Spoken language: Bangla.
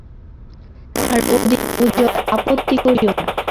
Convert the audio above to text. আর অধিক ওজর আপত্তি করিয়ো না।